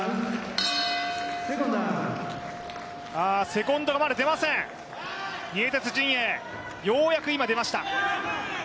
セコンドがまだ出ません、ニエテス陣営、ようやく今出ました。